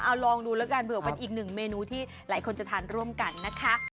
เอาลองดูแล้วกันเผื่อเป็นอีกหนึ่งเมนูที่หลายคนจะทานร่วมกันนะคะ